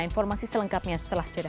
informasi selengkapnya setelah cerita